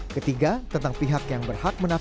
ketiga tentang pihak yang berhak menafsirkan pancangkut